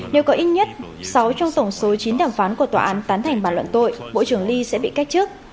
nếu có ít nhất sáu trong tổng số chín thảm phán của tòa án tán thành bản luận tội bộ trưởng lee sẽ bị cách trước